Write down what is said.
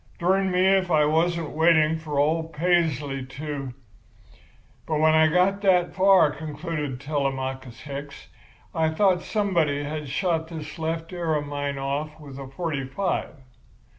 'Durn me if I wasn't waiting for old Paisley to—' "But when I got that far," concluded Telemachus Hicks, "I thought somebody had shot this left ear of mine off with a forty five.